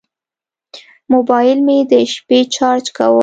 موبایل مې د شپې چارج کوم.